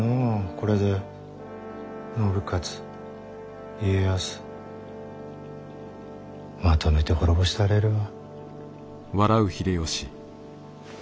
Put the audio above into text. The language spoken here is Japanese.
これで信雄家康まとめて滅ぼしたれるわ。